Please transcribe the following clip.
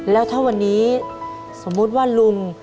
แล้วถ้าวันนี้สมมุติว่าลุง